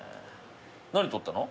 何取ったの？